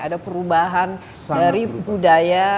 ada perubahan dari budaya